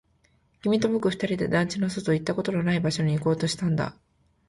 君と僕二人で団地の外、行ったことのない場所に行こうとしたんだ